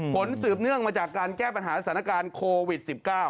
สืบเนื่องมาจากการแก้ปัญหาสถานการณ์โควิด๑๙